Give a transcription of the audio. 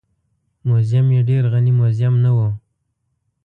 موزیم یې ډېر غني موزیم نه و.